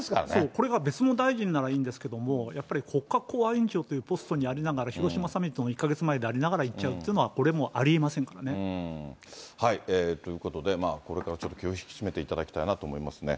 これが別の大臣ならいいんですけど、やっぱり、国家公安委員長というポストにありながら、広島サミットの１か月前でありながら、言っちゃうというのは、こということで、まあ、これからちょっと気を引き締めていただきたいなと思いますね。